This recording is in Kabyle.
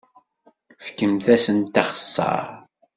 Fkemt-asent axeṣṣar!